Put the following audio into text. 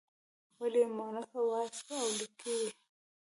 ولې یې مونث وایاست او لیکئ یې.